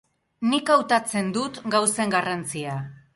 Nik hautatzen dut gauzen garrantzia.